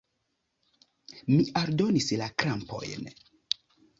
Mi aldonis la krampojn.